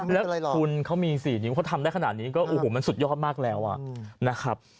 แล้วคุณเขามีสี่นิ้วทำได้ขนาดนี้ก็สุดยอดมากแล้วอ่ะ